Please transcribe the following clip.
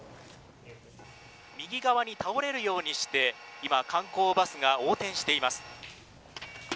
右側に倒れるようにして観光バスが横転しています。